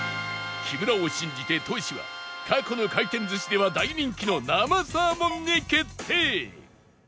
木村を信じてトシは過去の回転寿司では大人気の生サーモンに決定！